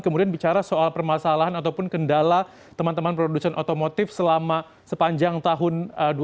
kemudian bicara soal permasalahan ataupun kendala teman teman produsen otomotif selama sepanjang tahun dua ribu dua puluh